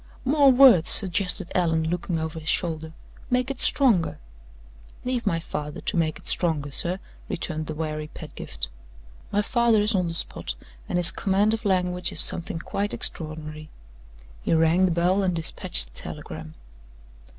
"More words!" suggested Allan, looking over his shoulder. "Make it stronger." "Leave my father to make it stronger, sir," returned the wary Pedgift. "My father is on the spot, and his command of language is something quite extraordinary." He rang the bell, and dispatched the telegram.